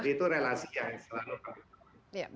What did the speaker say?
jadi itu relasi yang selalu kami temukan